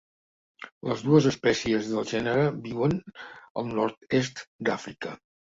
Les dues espècies del gènere viuen al nord-est d'Àfrica.